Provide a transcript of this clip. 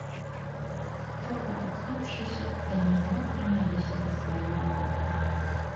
Троху адсопшыся, яны зноў прыняліся за сваю работу.